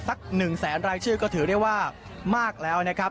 สักหนึ่งแสนรายชื่อก็ถือว่ามากแล้วนะครับ